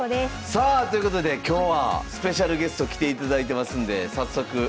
さあということで今日はスペシャルゲスト来ていただいてますんで早速お呼びしたいと思います。